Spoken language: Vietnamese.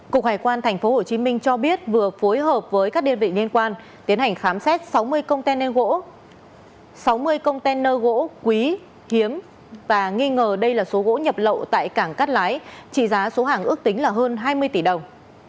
cục hải quan tp hcm cho biết vừa phối hợp với các điện vị liên quan tiến hành khám xét sáu mươi container gỗ quý hiếm và nghi ngờ đây là số gỗ nhập lậu tại cảng cát lái trị giá số hàng ước tính là hơn hai mươi tỷ đồng